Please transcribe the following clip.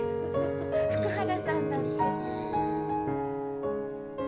福原さんだって。